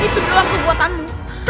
itu doang kebuatanmu